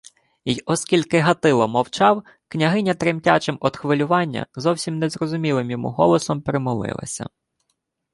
Й оскільки Гатило мовчав, княгиня тремтячим од хвилювання, зовсім незрозумілим йому голосом примолилася: